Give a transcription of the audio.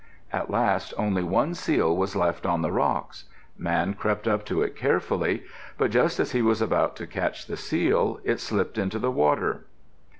At last only one seal was left on the rocks. Man crept up to it carefully, but just as he was about to catch the seal, it slipped into the water.